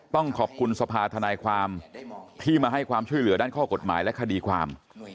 ต้องขอบคุณสภาธนายความที่มาให้ความช่วยเหลือด้านข้อกฎหมายและคดีความ